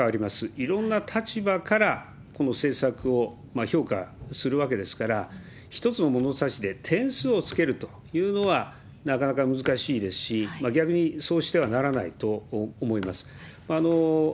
いろんな立場からこの政策を評価するわけですから、一つの物差しで点数をつけるというのはなかなか難しいですし、逆にそうしてはならないと思います。